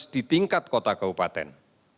di tingkat kota kabupaten